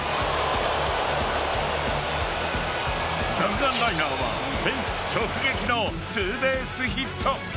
弾丸ライナーはフェンス直撃のツーベースヒット。